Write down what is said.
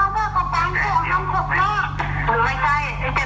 เจ้าเราก็เชื่อ